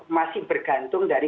masih bergantung dari